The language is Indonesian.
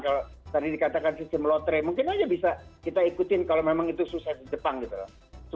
kalau tadi dikatakan sistem lotre mungkin aja bisa kita ikutin kalau memang itu susah di jepang gitu loh